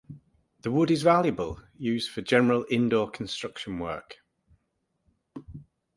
The wood is valuable, used for general indoor construction work.